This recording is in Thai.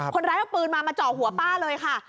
คนร้ายเอาปืนมามาเจาะหัวป้าเลยค่ะ